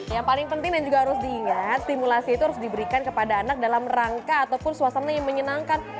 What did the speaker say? yang paling penting dan juga harus diingat stimulasi itu harus diberikan kepada anak dalam rangka ataupun suasana yang menyenangkan